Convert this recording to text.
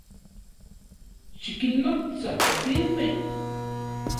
Xikinnotsa topilmej